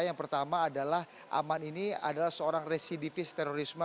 yang pertama adalah aman ini adalah seorang residivis terorisme